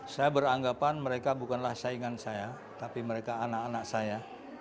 saya beranggapan mereka bukanlah saingan saya tapi mereka anak anak saya